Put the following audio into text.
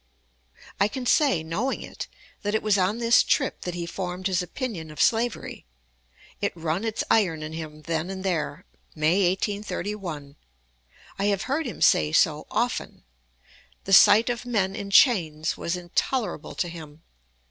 I can say, knowing it, that it was on this trip that he formed his opinion of slavery. It run its iron in him then and there, May, 1831. I have heard him say so often." The sight of men in chains was intolerable to him.